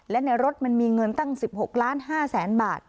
และในรถมันมีเงินตั้ง๑๖ล้าน๕แสนบาท